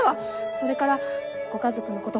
それからご家族のこと